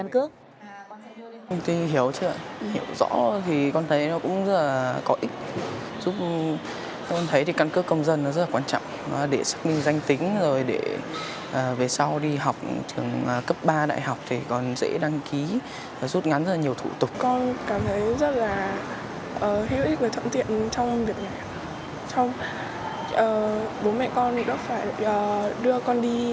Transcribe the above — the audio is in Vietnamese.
của thẻ căn cước